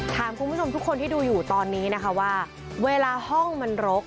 ถามคุณผู้ชมทุกคนที่ดูอยู่ตอนนี้นะคะว่าเวลาห้องมันรก